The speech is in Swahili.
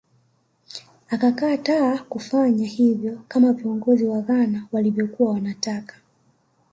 Akakataa kufanya hivyo kama viongozi wa Ghana walivyokuwa wanataka